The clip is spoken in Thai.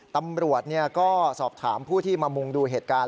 ตำรวจก็สอบถามผู้ที่มามุงดูเหตุการณ์